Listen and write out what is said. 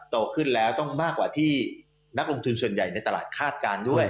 โตขึ้นแล้วต้องมากกว่าที่นักลงทุนส่วนใหญ่ในตลาดคาดการณ์ด้วย